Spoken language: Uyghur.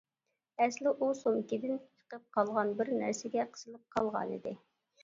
ئەسلى ئۇ سومكىدىن چىقىپ قالغان بىر نەرسىگە قىسىلىپ قالغانىدى.